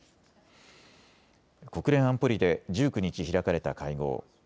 国連安保理で１９日、開かれた会合。